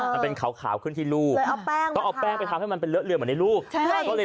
มันเป็นขาวขึ้นที่ลูกต้องเอาแป้งไปทำให้มันเป็นเลอะเรือเหมือนในรูปใช่ค่ะ